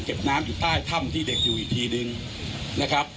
น้ำอยู่ใต้ถ้ำที่เด็กอยู่อีกทีนึงนะครับ